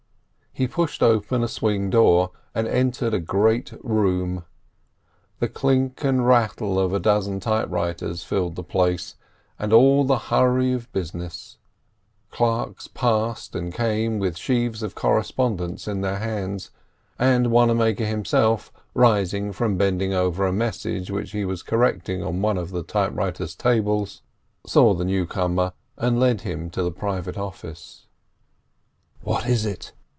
He pushed open a swing door and entered a great room. The clink and rattle of a dozen typewriters filled the place, and all the hurry of business; clerks passed and came with sheaves of correspondence in their hands; and Wannamaker himself, rising from bending over a message which he was correcting on one of the typewriters' tables, saw the newcomer and led him to the private office. "What is it?"